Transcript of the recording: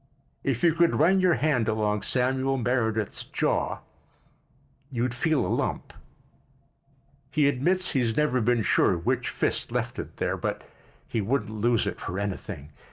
If you could run your hand along Samuel Meredith's jaw you'd feel a lump. He admits he's never been sure which fist left it there, but he wouldn't lose it for anything.